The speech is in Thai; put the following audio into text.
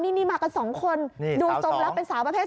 นี่มากันสองคนดูทรงแล้วเป็นสาวประเภท